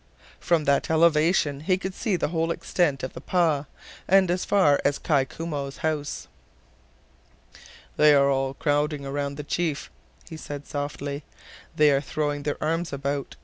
From that elevation he could see the whole extent of the "pah," and as far as Kai Koumou's house. "They are all crowding round the chief," said he softly. "They are throwing their arms about. .